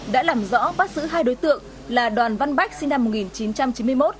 đã làm rõ bắt giữ hai đối tượng là đoàn văn bách sinh năm một nghìn chín trăm chín mươi một